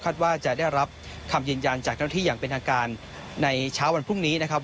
ว่าจะได้รับคำยืนยันจากเจ้าหน้าที่อย่างเป็นทางการในเช้าวันพรุ่งนี้นะครับ